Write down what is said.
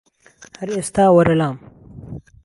هەر ئیستا وەرە لام